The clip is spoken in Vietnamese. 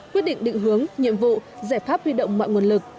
quyết định định hướng nhiệm vụ giải pháp huy động mọi nguồn lực